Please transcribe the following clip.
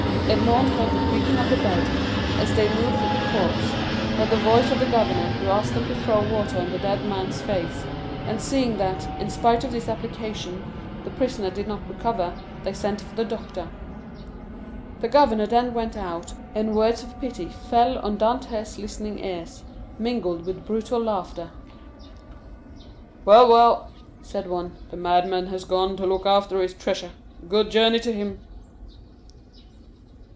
Edmond heard the creaking of the bed as they moved the corpse, heard the voice of the governor, who asked them to throw water on the dead man's face; and seeing that, in spite of this application, the prisoner did not recover, they sent for the doctor. The governor then went out, and words of pity fell on Dantès' listening ears, mingled with brutal laughter. "Well, well," said one, "the madman has gone to look after his treasure. Good journey to him!"